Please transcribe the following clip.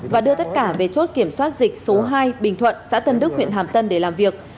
và đưa tất cả về chốt kiểm soát dịch số hai bình thuận xã tân đức huyện hàm tân để làm việc